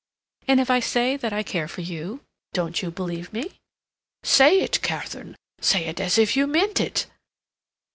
"And if I say that I care for you, don't you believe me?" "Say it, Katharine! Say it as if you meant it!